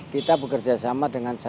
kita bekerja sama dengan